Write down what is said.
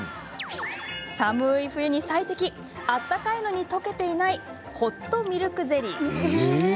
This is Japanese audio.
寒い冬に最適温かいのに溶けてないホットミルクゼリー。